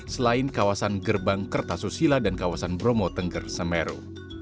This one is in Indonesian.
selain kawasan gerbang kertasusila dan kawasan bromo tengger semeru